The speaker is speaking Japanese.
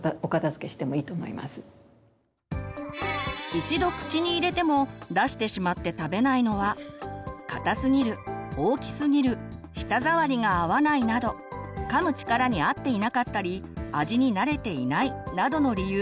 一度口に入れても出してしまって食べないのは硬すぎる大きすぎる舌触りが合わないなどかむ力に合っていなかったり味に慣れていないなどの理由があります。